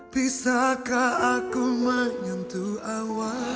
bisakah aku menyentuh awal